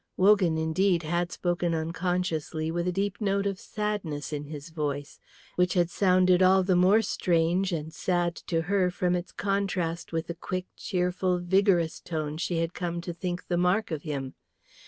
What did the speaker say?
Wogan, indeed, had spoken unconsciously, with a deep note of sadness in his voice, which had sounded all the more strange and sad to her from its contrast with the quick, cheerful, vigorous tones she had come to think the mark of him.